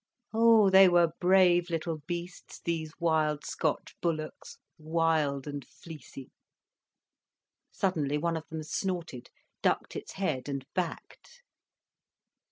Oh, they were brave little beasts, these wild Scotch bullocks, wild and fleecy. Suddenly one of them snorted, ducked its head, and backed.